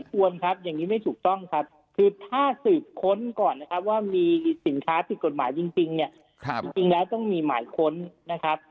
ควรครับอย่างนี้ไม่ถูกต้องครับคือถ้าสืบค้นก่อนนะครับว่ามีสินค้าผิดกฎหมายจริงเนี่ยจริงแล้วต้องมีหมายค้นนะครับ